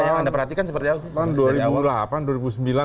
yang anda perhatikan seperti apa